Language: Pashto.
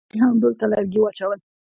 ډولچي هم ډول ته لرګي واچول.